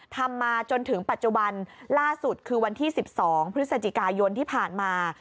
ทำมาจนถึงปัจจุบันล่าสุดคือวันที่๑๒พฤศจิกายนที่ผ่านมา